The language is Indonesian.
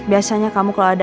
biasanya kamu kalau ada